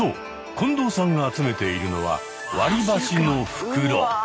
近藤さんが集めているのは「割り箸の袋」。